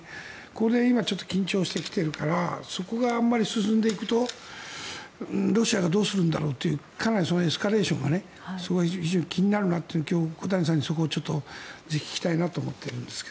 これ、今、緊張してきているからそこがあんまり進んでいくとロシアがどうするんだろうというかなりその辺のエスカレーションが非常に気になるなって小谷さんにそこを聞きたいなと思っているんですが。